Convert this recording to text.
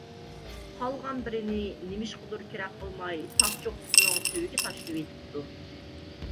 قالغان بىرىنى نېمىشقىدۇر كېرەك قىلماي، تاغ چوققىسىنىڭ تۈۋىگە تاشلىۋېتىپتۇ.